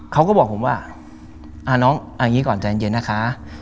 เขาก็บอกผมว่าน้องเอาอย่างนี้ก่อนใจเย็นนะคะ